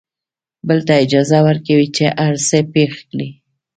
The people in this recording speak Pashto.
بل ته اجازه ورکوي چې هر څه پېښ کړي.